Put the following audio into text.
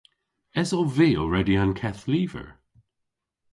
Esov vy ow redya an keth lyver?